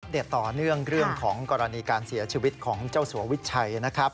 ต่อเนื่องเรื่องของกรณีการเสียชีวิตของเจ้าสัววิชัยนะครับ